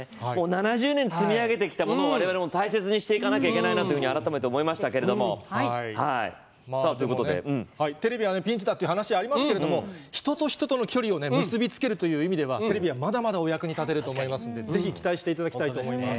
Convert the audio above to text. ７０年積み上げてきたものを我々も大切にしていかなきゃいけないなとテレビはピンチだっていう話がありましたけど人と人との距離を結び付けるという意味ではテレビは、まだまだお役に立てると思うのでぜひ期待していただきたいです。